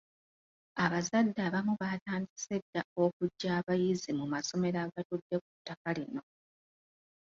Abazadde abamu baatandise dda okuggya abayizi mu masomero agatudde ku ttaka lino.